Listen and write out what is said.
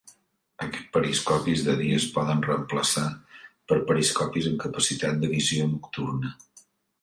Aquests periscopis de dia es poden reemplaçar per periscopis amb capacitat de visió nocturna.